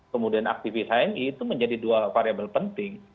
kemudian aktivis hmi itu menjadi dua variable penting